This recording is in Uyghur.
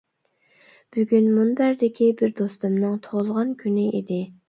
بۈگۈن مۇنبەردىكى بىر دوستۇمنىڭ تۇغۇلغان كۈنى ئىدى.